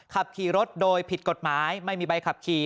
ขับขี่รถโดยผิดกฎหมายไม่มีใบขับขี่